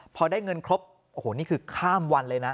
พอได้เงินครบโอ้โหนี่คือข้ามวันเลยนะ